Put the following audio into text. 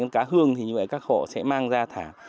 cá hương thì như vậy các hộ sẽ mang ra thả